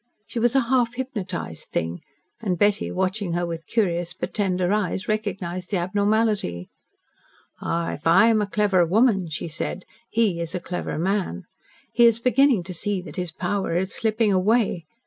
She was a half hypnotised thing, and Betty, watching her with curious but tender eyes, recognised the abnormality. "Ah, if I am a clever woman," she said, "he is a clever man. He is beginning to see that his power is slipping away.